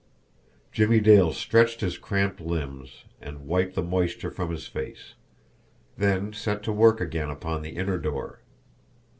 Jimmie Dale stretched his cramped limbs, and wiped the moisture from his face then set to work again upon the inner door.